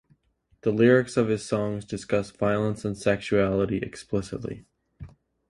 The lyrics of his songs discuss violence and sexuality explicitly.